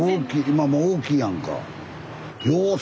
今もう大きいやんか。